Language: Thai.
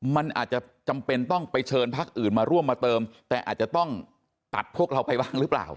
มันอาจจะจำเป็นต้องไปเชิญพักอื่นมาร่วมมาเติมแต่อาจจะต้องตัดพวกเราไปบ้างหรือเปล่า